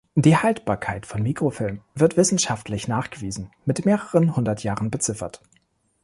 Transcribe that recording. Die Haltbarkeit von Mikrofilm wird wissenschaftlich nachgewiesen mit mehreren hundert Jahren beziffert.